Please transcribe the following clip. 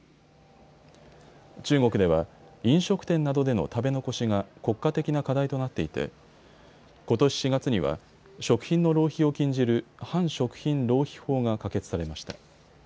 中国では飲食店などでの食べ残しが国家的な課題となっていてことし４月には食品の浪費を禁じる反食品浪費法が可決されました。